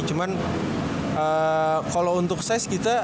cuman kalau untuk size kita